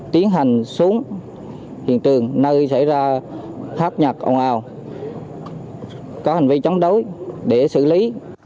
tiến hành xuống hiện trường nơi xảy ra pháp nhặt ồn ào có hành vi chống đối để xử lý